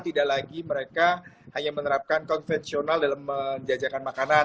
tidak lagi mereka hanya menerapkan konvensional dalam menjajakan makanan